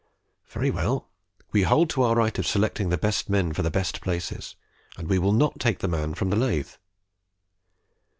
"Very well; we hold to our right of selecting the best men for the best places, and we will not take the man from the lathe."